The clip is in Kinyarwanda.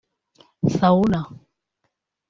sauna